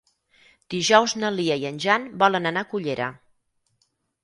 Dijous na Lia i en Jan volen anar a Cullera.